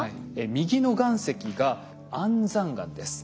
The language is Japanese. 右の岩石が安山岩です。